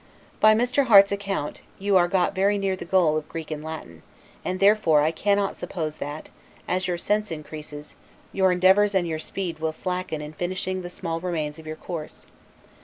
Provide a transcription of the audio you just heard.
By Mr. Harte's account, you are got very near the goal of Greek and Latin; and therefore I cannot suppose that, as your sense increases, your endeavors and your speed will slacken in finishing the small remains of your course.